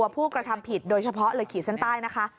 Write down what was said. ผู้กระทำผิดโดยเฉพาะเลยขีดเส้นใต้นะคะ